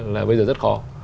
là bây giờ rất khó